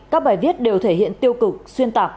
các bài viết đều thể hiện tiêu cực xuyên tạc